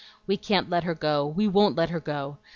We can't let her go! we won't let her go!